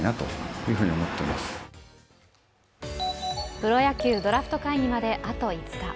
プロ野球ドラフト会議まであと５日。